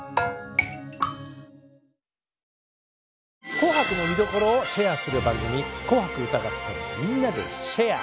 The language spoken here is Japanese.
「紅白」の見どころをシェアする番組「紅白歌合戦＃みんなでシェア！」。